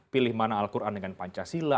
pilih mana al quran dengan pancasila